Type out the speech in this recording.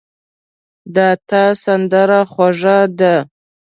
د تا سندره خوږه ده